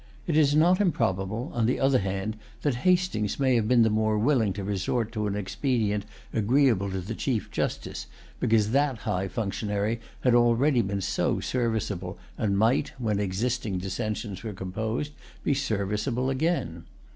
It is not improbable, on the other hand, that Hastings may have been the more willing to resort to an expedient agreeable to the Chief Justice, because that high functionary had already been so serviceable, and might, when existing dissensions were composed, be serviceable again.